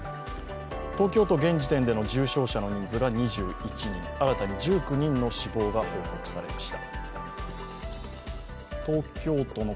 東京都、現時点での重症者の人数が２１人新たに１９人の死亡が報告されました。